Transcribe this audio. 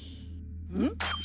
うん？